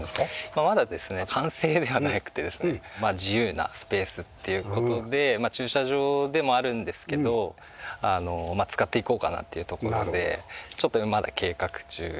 まだですね完成ではなくてですね自由なスペースっていう事で駐車場でもあるんですけど使っていこうかなっていうところでちょっとまだ計画中ですね。